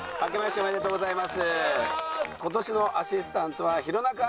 おめでとうございます。